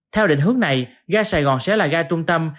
theo định hướng này gà sài gòn sẽ là gà trung tâm